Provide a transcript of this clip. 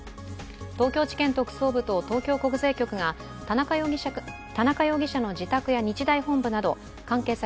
東京地検特捜部と東京国税局が田中容疑者の自宅や日大本部など関係先